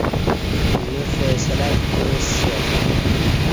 اینہ فیصلہ کعسیا